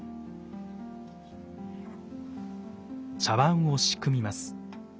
茶碗を仕組みます。